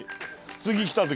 次来た時。